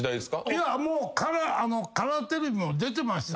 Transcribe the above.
いやもうカラーテレビも出てましたけど。